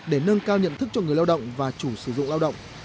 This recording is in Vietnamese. để nâng cao nhận thức cho người lao động và chủ sử dụng lao động